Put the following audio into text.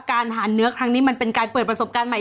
การหาเนื้อครั้งนี้มันเป็นการเปิดประสบการณ์ใหม่